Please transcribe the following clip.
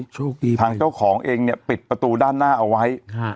โชคดีทางเจ้าของเองเนี่ยปิดประตูด้านหน้าเอาไว้